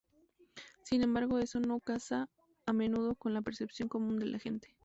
Sin embargo eso no casa a menudo con la percepción común de la gente.